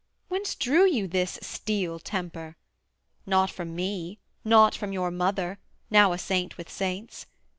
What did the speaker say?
Whence drew you this steel temper? not from me, Not from your mother, now a saint with saints.